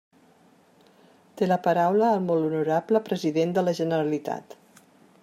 Té la paraula el molt honorable president de la Generalitat.